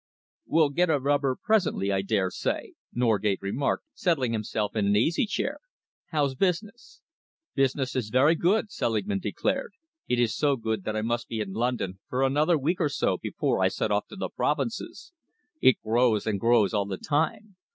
"We'll get a rubber presently, I dare say," Norgate remarked, settling himself in an easy chair. "How's business?" "Business is very good," Selingman declared. "It is so good that I must be in London for another week or so before I set off to the provinces. It grows and grows all the time.